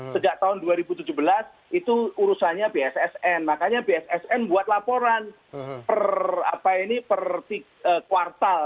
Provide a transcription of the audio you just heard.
sejak tahun dua ribu tujuh belas itu urusannya bssn makanya bssn buat laporan per kuartal